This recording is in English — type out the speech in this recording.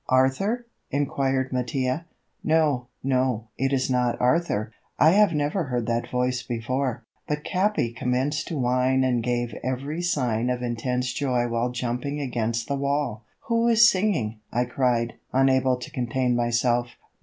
"Arthur?" inquired Mattia. "No, no, it is not Arthur. I have never heard that voice before." But Capi commenced to whine and gave every sign of intense joy while jumping against the wall. "Who is singing?" I cried, unable to contain myself.